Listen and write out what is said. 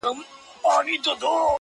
له محمد نه احوال لرې؟ په څه وضعیت کې دی